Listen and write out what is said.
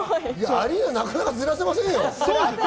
なかなかずらせませんよ。